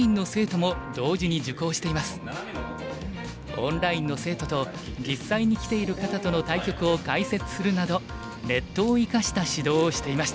オンラインの生徒と実際に来ている方との対局を解説するなどネットを生かした指導をしていました。